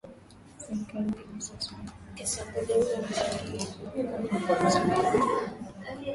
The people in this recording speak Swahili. Serikali ya kijeshi ya Sudan imeondoa hali ya dharura ambayo iliwekwa baada ya nchi hiyo kuchukua madaraka kwa njia ya mapinduzi miezi sita iliyopita